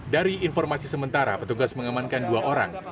dari informasi sementara petugas mengamankan dua orang